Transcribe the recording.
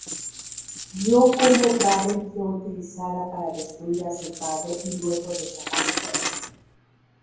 Vio como Raven fue utilizada para destruir a su padre y luego desaparecer.